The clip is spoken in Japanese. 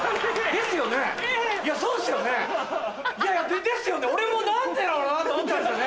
ですよね俺も何でだろうなって思ったんですよね。